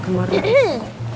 inget ga yang kemarin